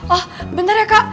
oh bentar ya kak